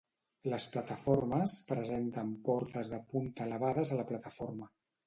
Les plataformes presenten portes de punta elevades a la plataforma.